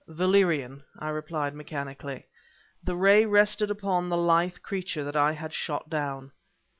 "Valerian," I replied mechanically. The ray rested upon the lithe creature that I had shot down.